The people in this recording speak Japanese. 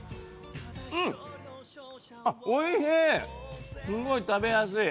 おいしい！